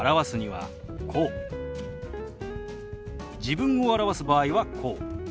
自分を表す場合はこう。